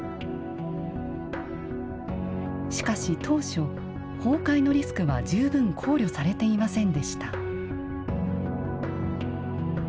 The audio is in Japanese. しかし当初崩壊のリスクは十分考慮されていませんでした。